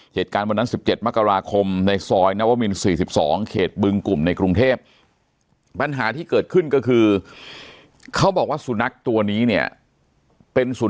เหตุการณ์วันนั้น๑๗มกราคมในซอยนาววะมิน๔๒